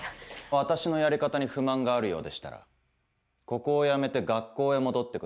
私のやり方に不満があるようでしたらここを辞めて学校へ戻ってください。